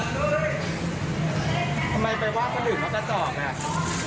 ทำไมไปว่าเขาหยุดแล้วก็ตอบเนี่ย